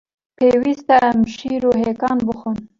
Pêwîst e em şîr û hêkan bixwin.